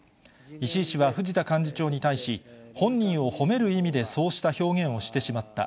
石井氏は藤田幹事長に対し、本人を褒める意味でそうした表現をしてしまった。